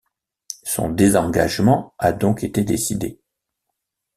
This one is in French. Son désengagement a donc été décidé.